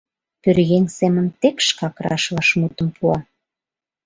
Пӧръеҥ семын тек шкак раш вашмутым пуа.